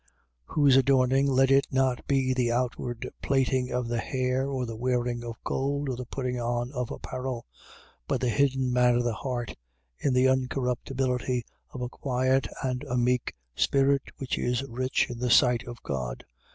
3:3. Whose adorning, let it not be the outward plaiting of the hair, or the wearing of gold, or the putting on of apparel: 3:4. But the hidden man of the heart, in the incorruptibility of a quiet and a meek spirit which is rich in the sight of God.